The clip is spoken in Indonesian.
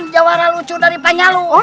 jawa lucu dari panyalu